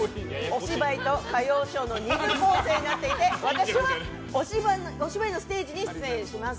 お芝居と歌謡ショーの２部構成になっていて私はお芝居のステージに出演します。